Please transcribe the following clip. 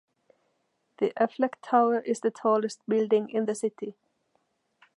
The Aflac tower is the tallest building in the city.